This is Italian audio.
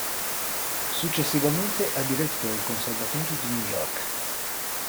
Successivamente ha diretto il Conservatorio di New York.